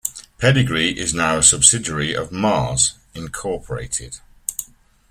Pedigree is now a subsidiary of Mars, Incorporated.